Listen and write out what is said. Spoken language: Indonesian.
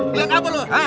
lihat apa lu